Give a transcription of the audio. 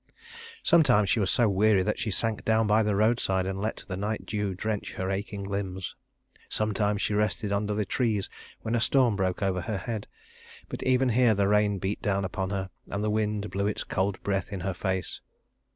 Sometimes she was so weary that she sank down by the roadside and let the night dew drench her aching limbs. Sometimes she rested under the trees when a storm broke over her head; but even here the rain beat down upon her, and the wind blew its cold breath in her face.